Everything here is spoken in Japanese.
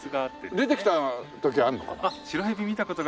出てきた時あるのかな？